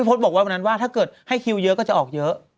โพสต์บอกว่าวันนั้นว่าถ้าเกิดให้คิวเยอะก็จะออกเยอะ